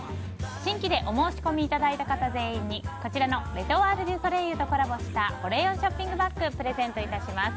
新規でお申し込みいただいた方全員に、こちらのレ・トワール・デュ・ソレイユとコラボした保冷温ショッピングバッグをプレゼント致します。